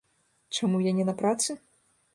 Чаму я не на працы?